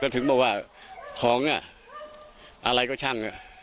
ก็ถึงบอกว่าทองอ่ะอะไรก็ชั้น